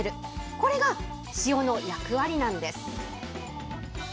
これが塩の役割なんです。